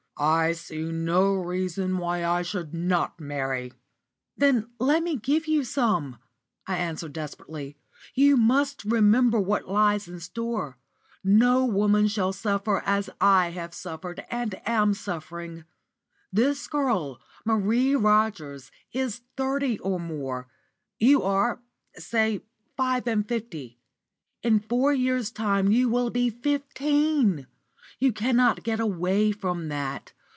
I see no reason why I should not marry." "Then let me give you some," I answered desperately. "You must remember what lies in store. No woman shall suffer as I have suffered and am suffering. This girl, Marie Rogers, is thirty or more; you are say, five and fifty. In four years' time you will be fifteen! You cannot get away from that.